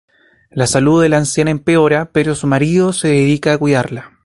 La salud de la anciana empeora, pero su marido se dedica a cuidarla.